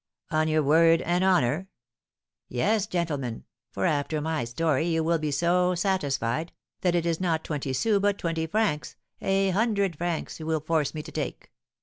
"On your word and honour?" "Yes, gentlemen; for, after my story, you will be so satisfied, that it is not twenty sous but twenty francs a hundred francs you will force me to take!